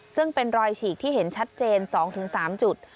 ซึ่งเป็นรอยฉีกที่เห็นชัดเจน๒๓จุด